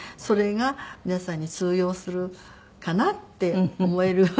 それが皆さんに通用するかなって思える。